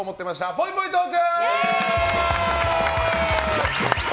ぽいぽいトーク！